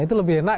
itu lebih enak